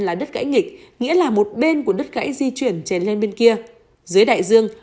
là đất gãy nghịch nghĩa là một bên của đứt gãy di chuyển chèn lên bên kia dưới đại dương